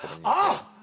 あっ！